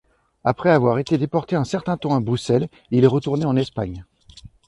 Après avoir été déporté un certain temps à Bruxelles, il est retourné en Espagne.